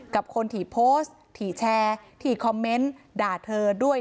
กับคนที่โพสต์ที่แชร์ที่คอมเมนต์ด่าเธอด้วย